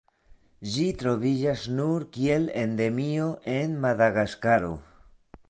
Ĝi troviĝas nur kiel endemio en Madagaskaro.